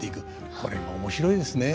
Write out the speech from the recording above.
これが面白いですね。